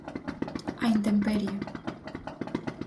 A intemperie.